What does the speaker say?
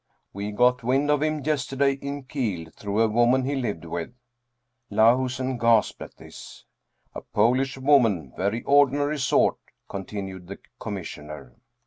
" We got wind of him yesterday in Kiel through a woman he lived with." (Lahusen gasped at this.) "A Polish woman, very ordinary sort," continued the Commis sioner.